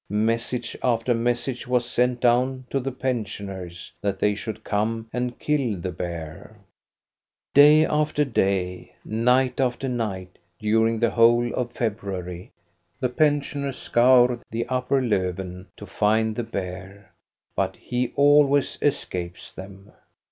Message after message was sent down to the pensioners, that they should come and kill the bear. 128 THE STORY OF GOSTA BERLING Day after day, night after night, during the whole of February, the pensioners scour the upper Lofven to find the bear, but he always escapes them.